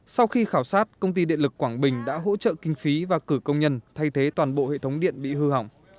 sau khi khảo sát công ty điện lực quảng bình đã hỗ trợ kinh phí và cử công nhân thay thế toàn bộ hệ thống điện bị hư hỏng